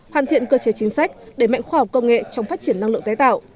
hoàn thiện cơ chế chính sách để mạnh khoa học công nghệ trong phát triển năng lượng tái tạo